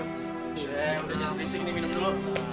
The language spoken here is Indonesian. udah nyampe ini minum dulu